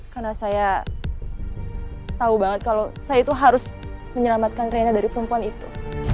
karena saya tahu banget kalau saya itu harus menyelamatkan rena dari perempuan itu